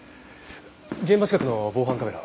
現場近くの防犯カメラは？